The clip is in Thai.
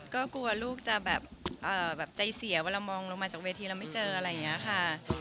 ก็กลัวลูกจะแบบใจเสียเวลามองลงมาจากเวทีแล้วไม่เจออะไรอย่างนี้ค่ะ